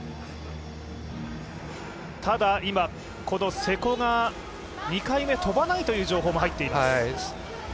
ただ今、この瀬古が２回目、跳ばないという状況が起こっています。